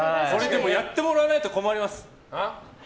やってもらわないと困ります。